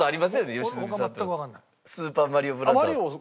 良純さん『スーパーマリオブラザーズ』。